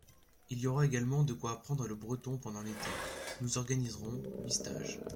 Il y aura également de quoi apprendre le breton pendant l’été : nous organiserons huit stages.